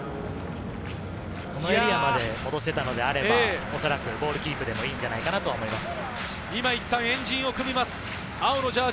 このエリアまで戻せたのであれば、おそらくゴールキックでもいいんじゃないかと思います。